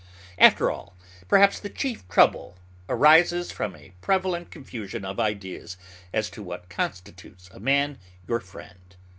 After all, perhaps the chief trouble arises from a prevalent confusion of ideas as to what constitutes a man your friend.